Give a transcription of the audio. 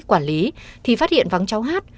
quản lý thì phát hiện vắng cháu hát